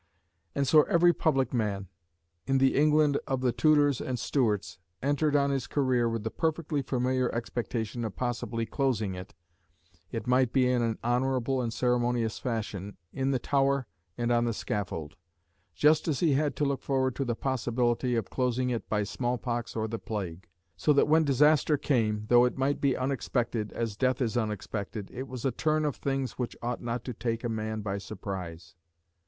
And so every public man, in the England of the Tudors and Stuarts, entered on his career with the perfectly familiar expectation of possibly closing it it might be in an honourable and ceremonious fashion, in the Tower and on the scaffold just as he had to look forward to the possibility of closing it by small pox or the plague. So that when disaster came, though it might be unexpected, as death is unexpected, it was a turn of things which ought not to take a man by surprise.